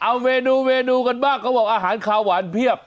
เอาเมนูเมนูกันบ้างเขาบอกอาหารคาวหวานเพียบ